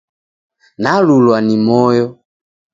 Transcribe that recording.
Nalulwa ni moyo!